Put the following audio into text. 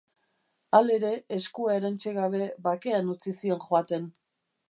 Halere, eskua erantsi gabe, bakean utzi zion joaten.